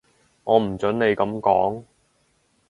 我唔準你噉講